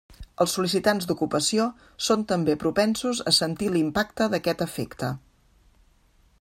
Els sol·licitants d'ocupació són també propensos a sentir l'impacte d'aquest efecte.